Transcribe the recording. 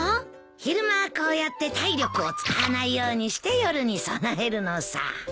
昼間こうやって体力を使わないようにして夜に備えるのさ。